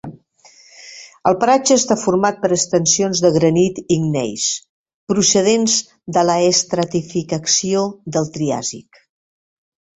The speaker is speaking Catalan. El paratge està format per extensions de granit i gneis procedents de l'estratificació del Triàsic.